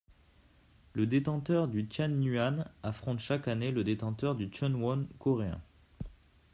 Le détenteur du Tianyuan affronte chaque année le détenteur du Chunwon coréen.